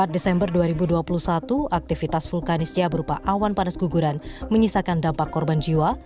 empat desember dua ribu dua puluh satu aktivitas vulkanisnya berupa awan panas guguran menyisakan dampak korban jiwa